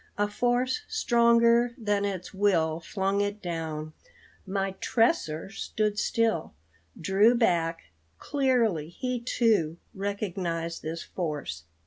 A force stronger than its will flung it down. My Tresor stood still, drew back.... Clearly he, too, recognized this force.